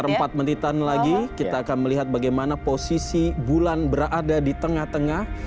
sekitar empat menitan lagi kita akan melihat bagaimana posisi bulan berada di tengah tengah